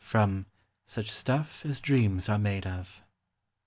FROM 'SUCH STUFF AS DREAMS ARE MADE OF."